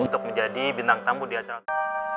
untuk menjadi bintang tampu di acara